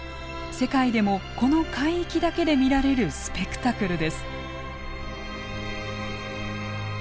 世界でもこの海域だけで見られるスペクタクルです。